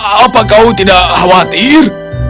apa kau tidak khawatir